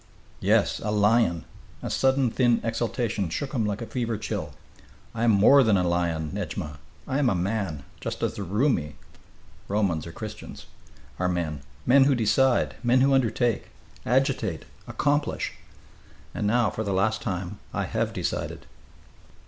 "Yes, a lion!" A sudden thin exaltation shook him like a fever chill. "I am more than a lion, Nedjma, I am a man just as the Roumi" [Romans i.e., Christians.] "are men men who decide men who undertake agitate accomplish ... and now, for the last time, I have decided.